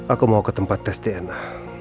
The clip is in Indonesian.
aku mau ke tempat tes dna